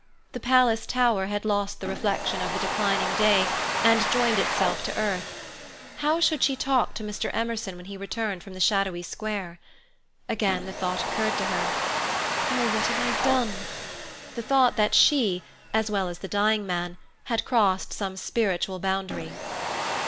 The palace tower had lost the reflection of the declining day, and joined itself to earth. How should she talk to Mr. Emerson when he returned from the shadowy square? Again the thought occurred to her, "Oh, what have I done?"—the thought that she, as well as the dying man, had crossed some spiritual boundary.